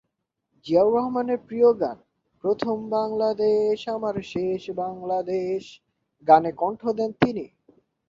জিয়াউর রহমানের প্রিয় গান, "প্রথম বাংলাদেশ আমার শেষ বাংলাদেশ" গানে কণ্ঠ দেন তিনি।